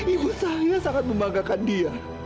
ibu saya sangat membanggakan dia